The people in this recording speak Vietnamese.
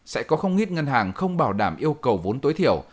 sẽ có không ít ngân hàng không bảo đảm yêu cầu vốn tối thiểu